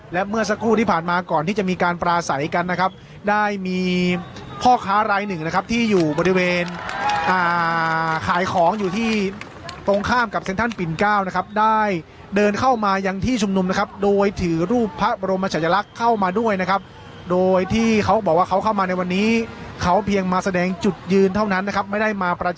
และเมื่อสักครู่ที่ผ่านมาก่อนที่จะมีการปราศัยกันนะครับได้มีพ่อค้ารายหนึ่งนะครับที่อยู่บริเวณอ่าขายของอยู่ที่ตรงข้ามกับเซ็นทรัลปิ่นเก้านะครับได้เดินเข้ามายังที่ชุมนุมนะครับโดยถือรูปพระบรมชายลักษณ์เข้ามาด้วยนะครับโดยที่เขาบอกว่าเขาเข้ามาในวันนี้เขาเพียงมาแสดงจุดยืนเท่านั้นนะครับไม่ได้มาประ